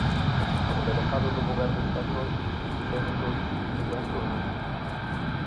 O delegado do Goberno español, José Miñóns, nun acto en Lugo.